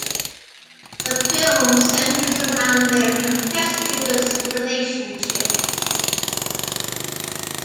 The film centres around their tempestuous relationship.